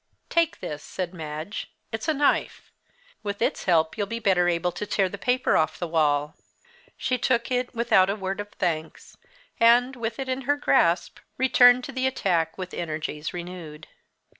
"Take this," said Madge. "It's a knife. With its help you'll be better able to tear the paper off the wall." She took it without a word of thanks, and, with it in her grasp, returned to the attack with energies renewed.